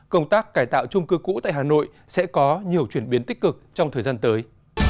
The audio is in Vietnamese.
công tác cải tạo trung cư cũ tại hà nội sẽ có nhiều chuyển biến tích cực trong thời gian tới